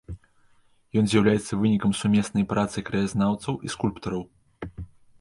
Ён з'яўляецца вынікам сумеснай працы краязнаўцаў і скульптараў.